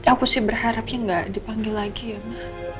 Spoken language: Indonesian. aku sih berharapnya gak dipanggil lagi ya ma